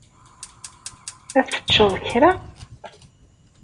Ad teččeḍ kra?